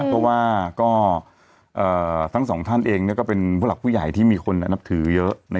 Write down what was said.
เพราะว่าก็ทั้งสองท่านเองก็เป็นผู้หลักผู้ใหญ่ที่มีคนนับถือเยอะ